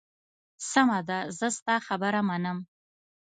سمه ده، زه ستا خبره منم.